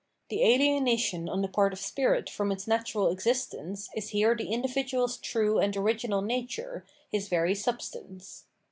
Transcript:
The alienation on the part of spirit from its natural existence is here the indi viduaTs true and original nature, his very sub stance.